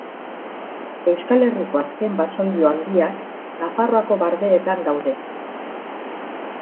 Euskal Herriko azken basoilo handiak Nafarroako Bardeetan daude.